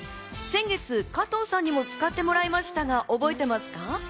先月、加藤さんにも使ってもらいましたが覚えてますか？